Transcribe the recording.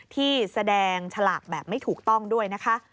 ที่แสดงฉลากแบบไม่ถูกต้องด้วยนะคะ